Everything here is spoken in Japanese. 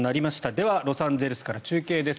ではロサンゼルスから中継です。